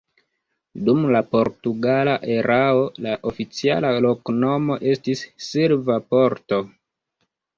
Dum la portugala erao la oficiala loknomo estis Silva Porto.